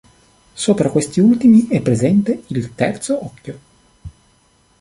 Sopra questi ultimi è presente il terzo occhio.